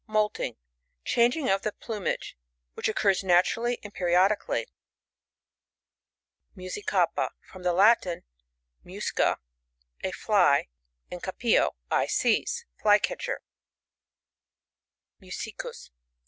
Moulting. — Changing of the plu mage, which occurs naturally and periodically. MuscicAPA.— From the Latin, musca^ a fly,andca/>»o,I seize. Fly catcher. Musicus.